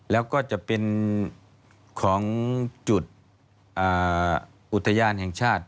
แล้วก็จะเป็นของจุดอุทยานแห่งชาติ